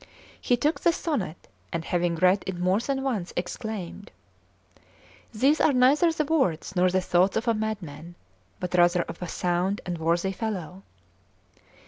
He took the sonnet, and having read it more than once, exclaimed: "These are neither the words nor the thoughts of a madman, but rather of a sound and worthy fellow."